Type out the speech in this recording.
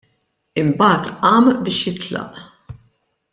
Imbagħad qam biex jitlaq.